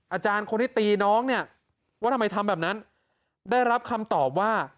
อาจารย์คนที่ตีน้องเนี่ยว่าทำไมทำแบบนั้นได้รับคำตอบว่า